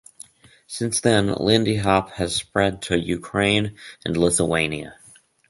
Since then, Lindy Hop has spread to Ukraine and Lithuania.